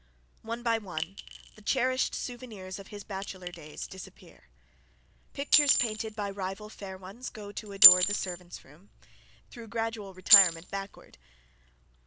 One by one, the cherished souvenirs of his bachelor days disappear. Pictures painted by rival fair ones go to adorn the servant's room, through gradual retirement backward.